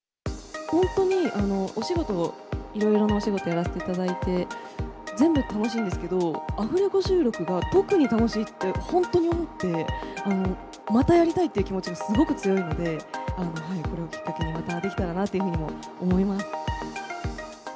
本当にお仕事を、いろいろなお仕事やらせていただいて、全部楽しいんですけど、アフレコ収録が特に楽しいって、本当に思って、またやりたいっていう気持ちがすごく強いので、これをきっかけにまたできたらなというふうにも思います。